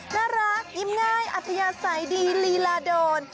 น่ารักยิ้มง่ายอัธยาศัยดีลีลาโดน